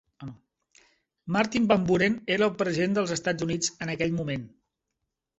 Martin Van Buren era el president dels Estats Units en aquell moment.